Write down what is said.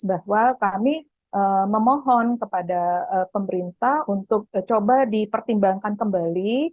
bahwa kami memohon kepada pemerintah untuk coba dipertimbangkan kembali